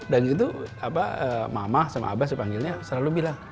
dan itu mama sama abah dipanggilnya selalu bilang